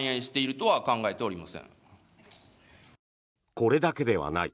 これだけではない。